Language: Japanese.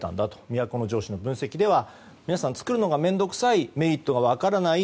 都城市の分析では皆さん作るのが面倒くさいメリットが分からない